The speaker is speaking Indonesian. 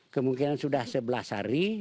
kemungkinan sudah sebelas hari